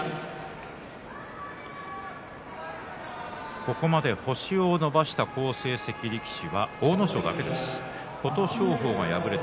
ここまで星を伸ばした好成績力士は阿武咲だけです。